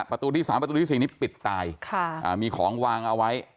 ประตูที่๓ประตูที่๔นี้ปิดตายมีของวางเอาไว้